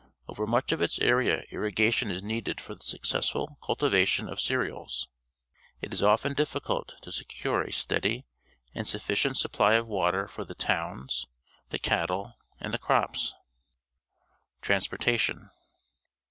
Over much of its area irriga tion is needed for the successful cultivation of cereals. It is often difficult to secure a steady and sufficient supply of water for the towns, the cattle, and the crops. Transportation.